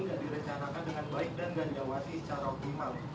sudah direncanakan dengan baik dan tidak diawasi secara optimal